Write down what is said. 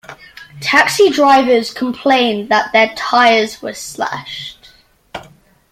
Taxi drivers complained that their tires were slashed.